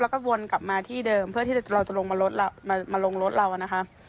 แล้วก็วนกลับมาที่เดิมเพื่อที่เราจะลงมาลงรถเรานะคะ